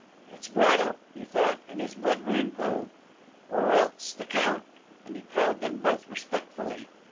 "It's Braddle!" he thought, and his blood ran cold; "or else the Count!" And he called them both respectfully.